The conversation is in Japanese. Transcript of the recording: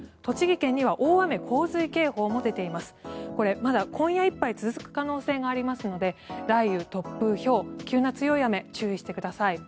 これ、まだ今夜いっぱい続く可能性がありますので雷雨、突風、ひょう急な強い雨ｎ注意してください。